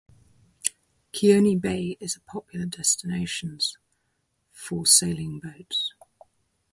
Kioni Bay is a popular destinations for sailing boats.